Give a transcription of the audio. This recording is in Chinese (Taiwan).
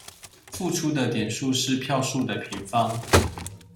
付出的點數是票數的平方